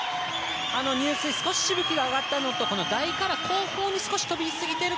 入水、少ししぶきが上がったのと台から後方に少し飛びすぎている